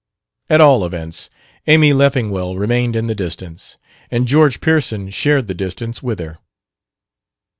At all events, Amy Leffingwell remained in the distance, and George Pearson shared the distance with her.